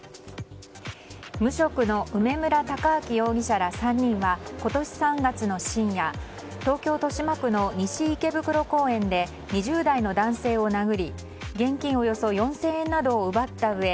無職の梅村太章容疑者ら３人は今年３月の深夜東京・豊島区の西池袋公園で２０代の男性を殴り現金およそ４０００円などを奪ったうえ